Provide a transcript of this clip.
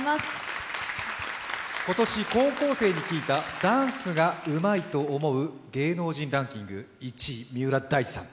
今年高校生に聞いたダンスがうまいと思う芸能人ランキング、１位、三浦大知さん。